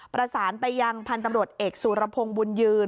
ประสานไปยังพันธุ์ตำรวจเอกสุรพงศ์บุญยืน